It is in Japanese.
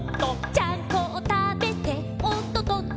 「ちゃんこをたべておっととっと」